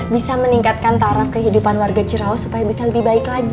bisa meningkatkan taraf kehidupan warga cirawas supaya bisa lebih baik lagi